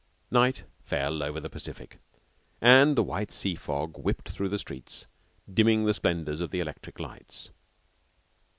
Night fell over the Pacific, and the white sea fog whipped through the streets, dimming the splendors of the electric lights.